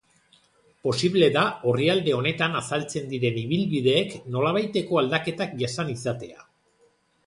Posible da orrialde honetan azaltzen diren ibilbideek nolabaiteko aldaketak jasan izatea.